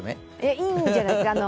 いいんじゃないですか。